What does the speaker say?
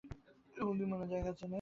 সে বুদ্ধিমান এবং জায়গা চেনে।